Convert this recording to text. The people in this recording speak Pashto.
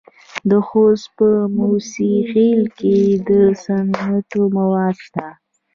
د خوست په موسی خیل کې د سمنټو مواد شته.